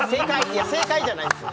いや正解じゃないんすよ